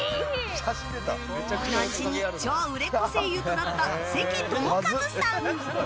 後に超売れっ子声優となった関智一さん。